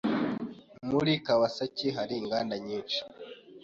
Muri Kawasaki hari inganda nyinshi.